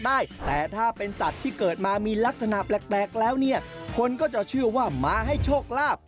สามารถเกิดมามีลักษณะแปลกแล้วคนน์ก็จะเชื่อว่ามาให้โชคลาภ